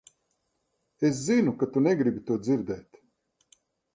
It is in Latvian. Es zinu, ka tu negribi to dzirdēt.